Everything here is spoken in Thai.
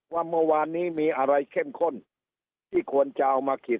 ว่าเมื่อวานนี้มีอะไรเข้มข้นที่ควรจะเอามาขีด